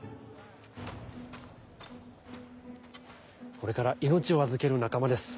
これから命を預ける仲間です